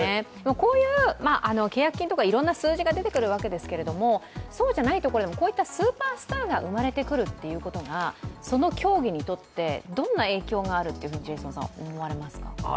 こういう契約金とかいろんな数字が出てくるわけですけどそうじゃないところで、こういったスーパースターが生まれてくるってことが、その競技にとってどんな影響があると思われますか。